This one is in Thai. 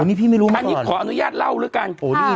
อันนี้พี่ไม่รู้นะอันนี้ขออนุญาตเล่าแล้วกัน